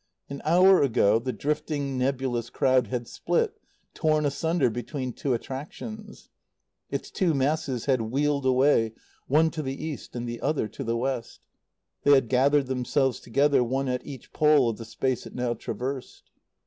An hour ago the drifting, nebulous crowd had split, torn asunder between two attractions; its two masses had wheeled away, one to the east and the other to the west; they had gathered themselves together, one at each pole of the space it now traversed.